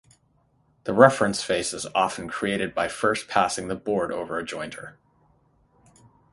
The reference face is often created by first passing the board over a jointer.